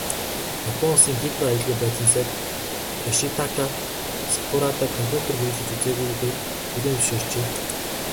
Япон улсын Кибер аюулгүй байдлын сайд Ёшитака Сакурада компьютер хэрэглэж үзээгүйгээ хүлээн зөвшөөрчээ.